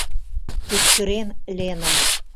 — кычкырен Лена.